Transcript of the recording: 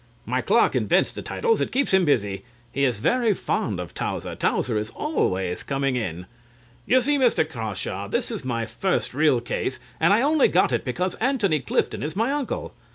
My clerk invents the titles; it keeps him busy. He is very fond of Towser; Towser is always coming in. (Frankly) You see, Mr. Crawshaw, this is my first real case, and I only got it because Antony Clifton is my uncle.